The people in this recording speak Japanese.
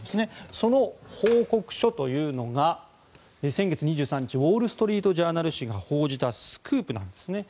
その報告書というのが先月２３日ウォール・ストリート・ジャーナル紙が報じたスクープなんですね。